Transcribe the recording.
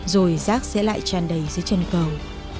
rồi rác sẽ lại tràn đầy dưới chân cầu